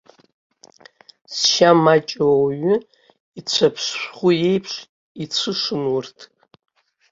Зшьа маҷу ауаҩы ицәаԥшшәхәы еиԥш, ицәышын урҭ.